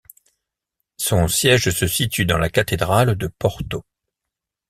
Son siège se situe dans la cathédrale de Porto.